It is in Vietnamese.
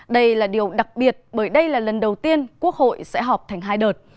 đây là điều đặc biệt bởi đây là lần đầu tiên quốc hội sẽ họp thành hai đợt